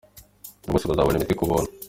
Abo bose bazabona imiti ku buntu.